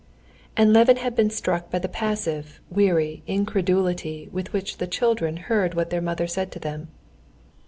And Levin had been struck by the passive, weary incredulity with which the children heard what their mother said to them.